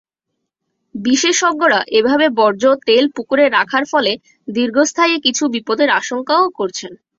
বিশেষজ্ঞরা এভাবে বর্জ্য তেল পুকুরে রাখার ফলে দীর্ঘস্থায়ী কিছু বিপদের আশঙ্কাও করছেন।